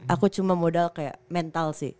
aku cuma modal kayak mental sih